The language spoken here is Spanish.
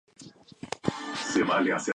Se encuentran en África: cuenca del río Volta.